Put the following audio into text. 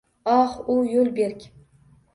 Oh, u yo’l berk